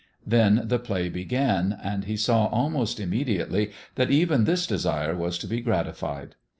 Then the play began, and he saw almost immediately that even this desire was to be gratified.